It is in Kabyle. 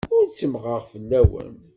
Ur ttemmɣeɣ fell-awen.